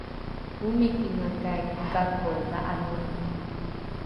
omikingakai gako dha’ane’o?